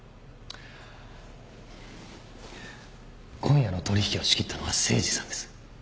今夜の取引を仕切ったのは誠司さんです。